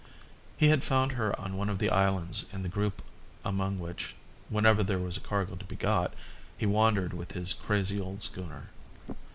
He had found her on one of the islands in the group among which, whenever there was cargo to be got, he wandered with his crazy old schooner.